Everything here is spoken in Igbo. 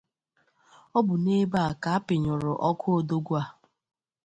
Ọ bụ n’ebe a ka pịnyụrụ ọkụ odogwu a